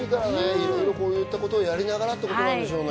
いろいろ、こういうことをやりながらということですね。